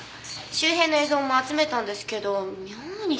周辺の映像も集めたんですけど妙に人が多くて。